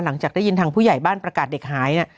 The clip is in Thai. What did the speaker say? หลังจากได้ยินทางผู้ใหญ่บ้านประกาศเด็กหายเนี่ย